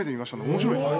面白いですね。